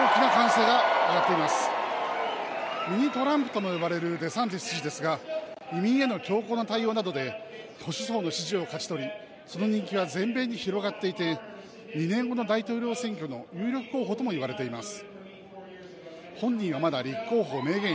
ミニ・トランプとも呼ばれるデサンティス氏ですが移民への強硬な対応などで、保守層の支持を勝ち取りその人気は全米に広がっていて２年後の大統領選挙の有力候補とも言われています。